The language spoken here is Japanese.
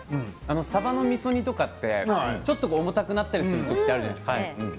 さばのみそ煮、ちょっと重たくなったりする時もあるじゃないですか。